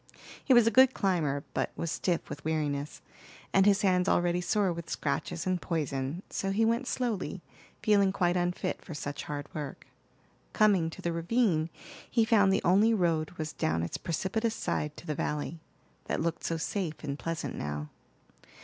He was a good climber, but was stiff with weariness, and his hands already sore with scratches and poison; so he went slowly, feeling quite unfit for such hard work. Coming to the ravine, he found the only road was down its precipitous side to the valley, that looked so safe and pleasant now.